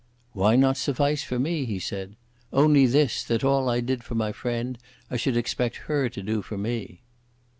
"Why not suffice for me?" he said. "Only this, that all I did for my friend I should expect her to do for me."